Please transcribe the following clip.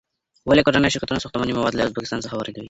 ولې کورني شرکتونه ساختماني مواد له ازبکستان څخه واردوي؟